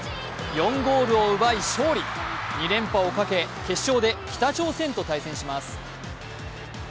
４ゴールを奪い勝利、２連覇をかけ決勝で北朝鮮と対戦します。